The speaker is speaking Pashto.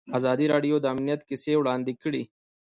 ازادي راډیو د امنیت کیسې وړاندې کړي.